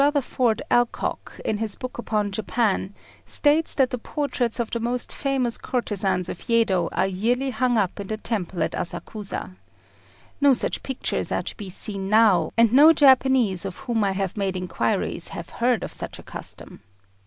] [Footnote 34: Sir Rutherford Alcock, in his book upon Japan, states that the portraits of the most famous courtesans of Yedo are yearly hung up in the temple at Asakusa. No such pictures are to be seen now, and no Japanese of whom I have made inquiries have heard of such a custom.